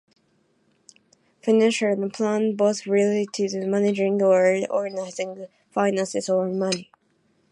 Financial and plan both relate to managing or organizing finances or money.